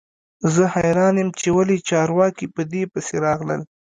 زه حیران یم چې ولې چارواکي په دې پسې راغلل